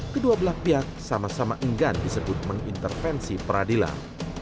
kedua belah pihak sama sama enggan disebut mengintervensi peradilan